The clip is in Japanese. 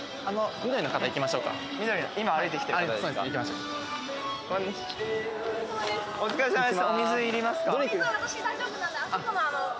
［ただし］お疲れさまです。